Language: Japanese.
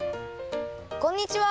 こんにちは！